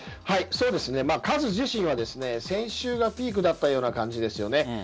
数自身は先週がピークだったような感じですよね。